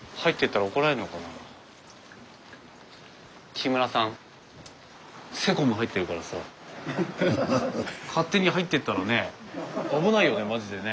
木村さんセコム入ってるからさ勝手に入ってったらね危ないよねまじでね。